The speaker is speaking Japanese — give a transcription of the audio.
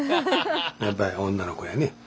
やっぱり女の子やね。